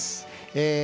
え